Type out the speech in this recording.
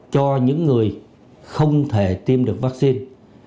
cho những người không thể tiêm được vaccine